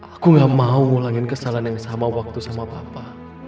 aku gak mau ngulangin kesalahan yang sama waktu sama bapak